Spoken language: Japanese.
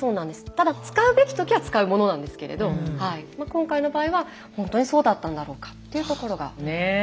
ただ使うべきときは使うものなんですけれど今回の場合はほんとにそうだったんだろうかっていうところが。